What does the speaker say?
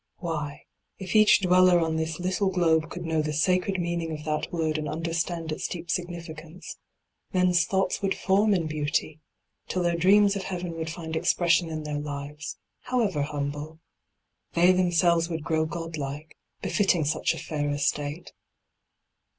Why, if each dweller on this little globe Could know the sacred meaning of that word And understand its deep significance, Men's thoughts would form in beauty, till their dreams Of heaven would find expression in their lives, However humble; they themselves would grow Godlike, befitting such a fair estate.